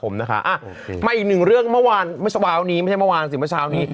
ผมนะคะมาอีกหนึ่งเรื่องเมื่อวานเมื่อเช้านี้ไม่ใช่เมื่อวานสิเมื่อเช้านี้